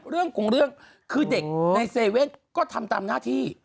เรื่องของเรื่องคือเด็กใน๗๑๑ก็ทำตามหน้าที่